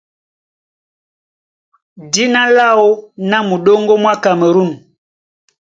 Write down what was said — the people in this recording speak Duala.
Dína láō ná Muɗóŋgó mwá Kamerûn.